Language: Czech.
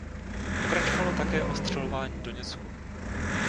Pokračovalo také ostřelování Doněcku.